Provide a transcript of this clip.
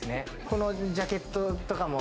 このジャケットとかも。